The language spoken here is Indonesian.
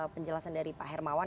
penjelasan dari pak hermawan